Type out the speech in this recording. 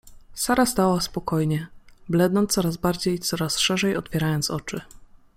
Sara stała spokojnie, blednąc coraz bardziej i coraz szerzej otwierając oczy.